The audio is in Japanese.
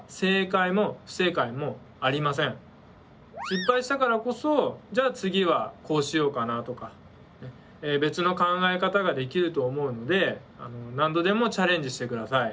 失敗したからこそじゃあ次はこうしようかなとか別の考え方ができると思うので何度でもチャレンジしてください。